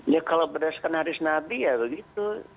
ya kalau berdasarkan hadis nabi ya begitu